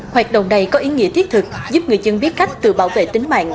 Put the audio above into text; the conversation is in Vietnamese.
hoạt động này có ý nghĩa thiết thực giúp người dân biết cách tự bảo vệ tính mạng